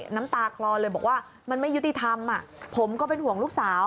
น้ำตาคลอเลยบอกว่ามันไม่ยุติธรรมผมก็เป็นห่วงลูกสาว